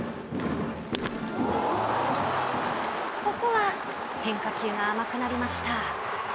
ここは変化球が甘くなりました。